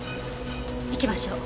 行きましょう。